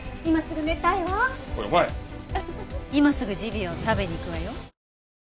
今すぐジビエを食べに行くわよ。